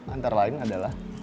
antara lain adalah